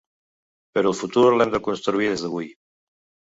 Però el futur l’hem de construir des d’avui.